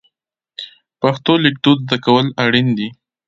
پښتو لیکدود زده کول اړین دي.